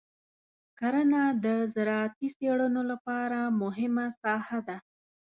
کرنه د زراعتي څېړنو لپاره مهمه ساحه ده.